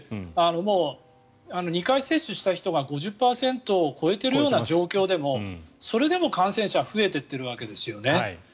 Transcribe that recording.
もう２回接種した人が５０％を超えているような状況でもそれでも感染者は増えていってるわけですよね。